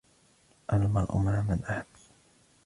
الْمَرْءُ مَعَ مَنْ أَحَبَّ